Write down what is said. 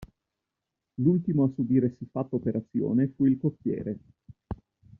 L'ultimo a subire siffatta operazione fu il cocchiere.